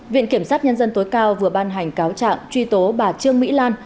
viện kiểm sát nhân dân tối cao vừa ban hành cáo trạng truy tố bà trương mỹ lan